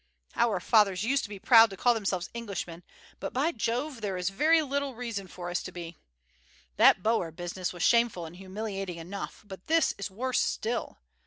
Our fathers used to be proud to call themselves Englishmen, but, by Jove, there is very little reason for us to be. That Boer business was shameful and humiliating enough, but this is worse still.